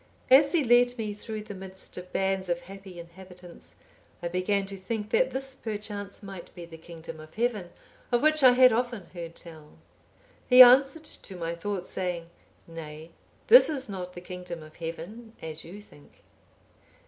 As he led me through the midst of bands of happy inhabitants, I began to think that this perchance might be the kingdom of Heaven, of which I had often heard tell. He answered to my thought, saying, 'Nay, this is not the kingdom of Heaven, as you think.